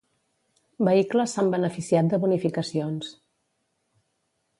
Vehicles s'han beneficiat de bonificacions.